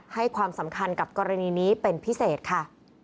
ให้ความสำคัญกับกรณีนี้เป็นพิเศษค่ะ